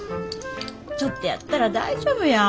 ちょっとやったら大丈夫や。